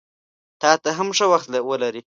تاته هم ښه وخت ولرې!